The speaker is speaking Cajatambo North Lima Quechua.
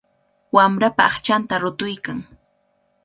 Wamrapa aqchanta rutuykan.